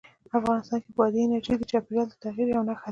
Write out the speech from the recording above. افغانستان کې بادي انرژي د چاپېریال د تغیر یوه نښه ده.